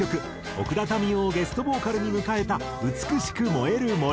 奥田民生をゲストボーカルに迎えた『美しく燃える森』。